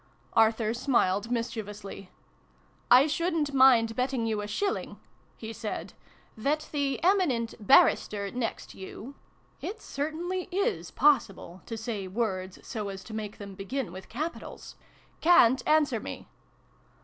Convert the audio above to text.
Arthur smiled mischievously. " I shouldn't mind betting you a shilling," he said, " that the Eminent Barrister next you" (It certainly is ix] THE FAREWELL PARTY. 135 possible to say words so as to make them begin with capitals !)" ca'n't answer me